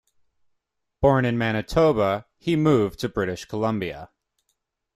Born in Manitoba, he moved to British Columbia.